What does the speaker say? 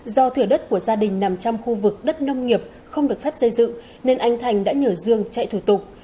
do thửa đất của gia đình nằm trong khu vực đất nông nghiệp không được phép xây dựng nên anh thành đã nhờ dương chạy thử tục